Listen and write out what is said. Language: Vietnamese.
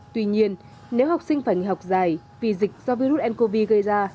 tuy nhiên nếu học sinh phải nghỉ học dài vì dịch do virus ncov gây ra